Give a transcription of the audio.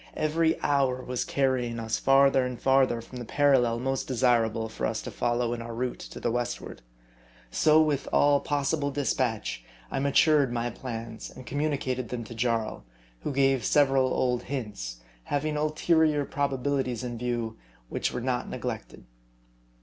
Every hour was carrying us farther and farther from the parallel most desirable for us to follow in our route to the westward. So, with all possi M A E D I. 31 ble dispatch, I matured my plans, and communicated them to Jarl, who gave several old hints having ulterior proba bilities in view which were not neglected.